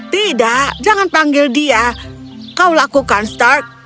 tidak jangan panggil dia kau lakukan start